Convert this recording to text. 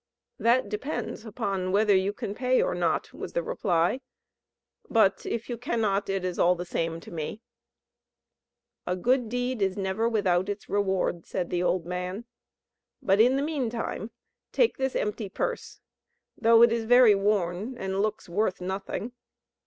"That depends upon whether you can pay or not," was the reply; "but if you cannot, it is all the same to me." "A good deed is never without its reward," said the old man: "but in the meantime take this empty purse; though it is very worn, and looks worth nothing.